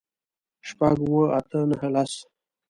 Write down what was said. شپږ، اووه، اته، نهه، لس